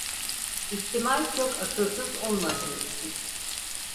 İhtimal çok akılsız olmadığım için…